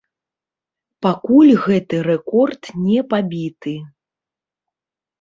Пакуль гэты рэкорд не пабіты.